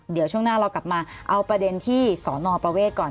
เดี๋ยวช่วงหน้าเรากลับมาเอาประเด็นที่สอนอประเวทก่อน